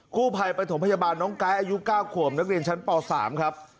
กู้ภัยประถมพยาบาลน้องไก๊อายุ๙ขวบนักเรียนชั้นป๓ครับ